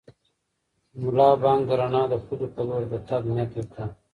ملا بانګ د رڼا د پولې په لور د تګ نیت وکړ.